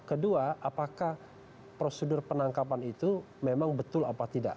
kedua apakah prosedur penangkapan itu memang betul apa tidak